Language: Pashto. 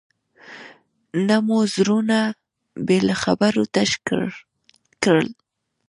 نه مو زړونه بې له خبرو تش کړل.